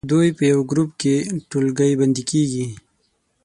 دوی په یوه ګروپ کې ټولګی بندي کیږي.